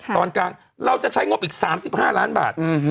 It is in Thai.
ตอนกลางเราจะใช้งบอีก๓๕ล้านบาท